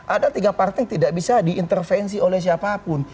ada tiga partai yang tidak bisa diintervensi oleh siapapun